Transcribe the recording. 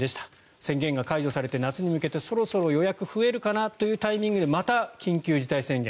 宣言が解除されて夏に向けてそろそろ予約が増えるかなというタイミングでまた、緊急事態宣言。